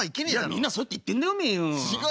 みんなそうやって行ってんだおめえよう。